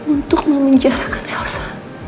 untuk memenjarakan elsa